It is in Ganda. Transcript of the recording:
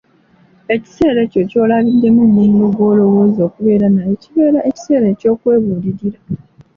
Ekiseera ekyo ky'olabiddemu munno gw'olowooza okubeera naye kibeere ekiseera eky'okwebuulirira.